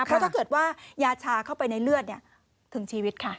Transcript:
เพราะถ้าเกิดว่ายาชาเข้าไปในเลือดถึงชีวิตค่ะ